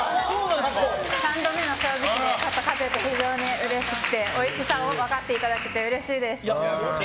三度目の正直で勝てて非常にうれしくておいしさも分かっていただけてうれしいです。